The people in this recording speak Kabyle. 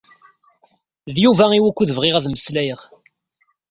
D Yuba i wukud bɣiɣ ad mmeslayeɣ.